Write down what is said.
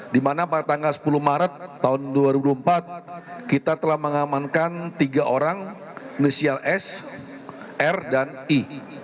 di mana pada tanggal sepuluh maret tahun dua ribu empat kita telah mengamankan tiga orang inisial s r dan i